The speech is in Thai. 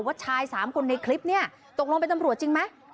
ชาย๓คนในคลิปเนี่ยตกลงเป็นตำรวจจริงไหม